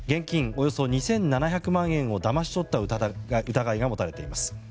およそ２７００万円をだまし取った疑いが持たれています。